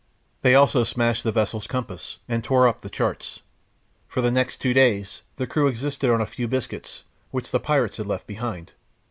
They also smashed the vessel's compass, and tore up the charts. For the next two days the crew existed on a few biscuits, which the pirates had left behind.